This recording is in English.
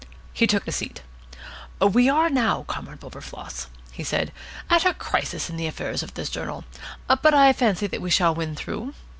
He took a seat. "We are now, Comrade Wilberfloss," he said, "at a crisis in the affairs of this journal, but I fancy we shall win through."